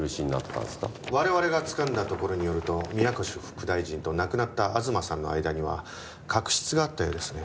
我々がつかんだところによると宮越副大臣と亡くなった東さんの間には確執があったようですね。